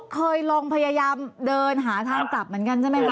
เคยลองพยายามเดินหาทางกลับเหมือนกันใช่ไหมคะ